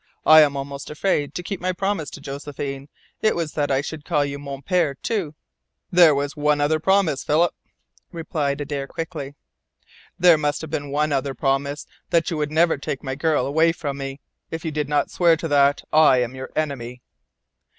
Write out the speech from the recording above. "I am almost afraid to keep my promise to Josephine. It was that I should call you mon pere, too." "There was one other promise, Philip," replied Adare quickly. "There must have been one other promise, that you would never take my girl away from me. If you did not swear to that, I am your enemy!"